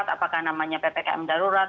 apakah namanya ppkm darurat